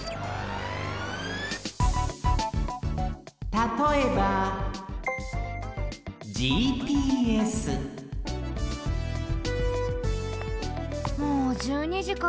たとえばもう１２じか。